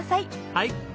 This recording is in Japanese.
はい。